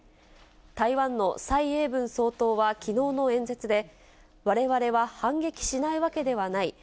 台湾の蔡英文総統はきのうの演説で、われわれは反撃しないわけではない。